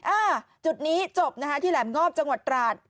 อ่าจุดนี้จบนะคะที่แหลมงอบจังหวัดตราด